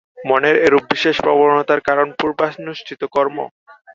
মনের এরূপ বিশেষ প্রবণতার কারণ পূর্বানুষ্ঠিত কর্ম।